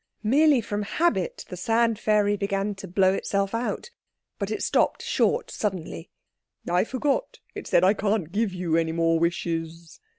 Merely from habit, the Sand fairy began to blow itself out, but it stopped short suddenly. "I forgot," it said; "I can't give you any more wishes."